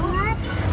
bu seru banget